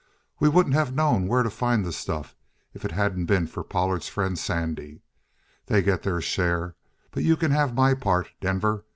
We wouldn't have known where to find the stuff if it hadn't been for Pollard's friend Sandy. They get their share but you can have my part, Denver.